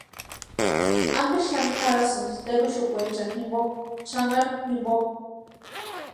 ¿Ampe xani jarhasïni teruxukwechani jimpo, xanharu jumpo?